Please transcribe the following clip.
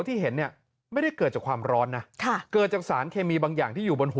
ต่างกัน